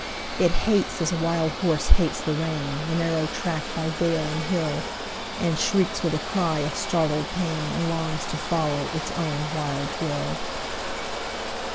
It hates, as a wild horse hates the rein, The narrow track by vale and hill; And shrieks with a cry of startled pain, And longs to follow its own wild will.